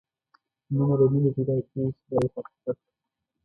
مینه له مینې پیدا کېږي دا یو حقیقت دی.